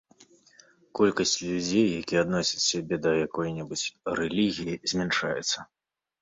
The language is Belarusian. Колькасць людзей, якія адносяць сябе да якой-небудзь рэлігіі, змяншаецца.